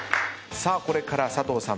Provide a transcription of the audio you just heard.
さあこれから佐藤さん